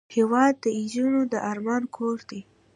هېواد د نجو د ارمان کور دی.